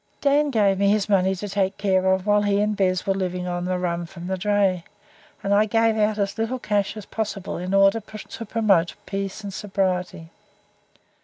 Dan gave me his money to take care of while he and Bez were living on rum from the dray, and I gave out as little cash as possible in order to promote peace and sobriety.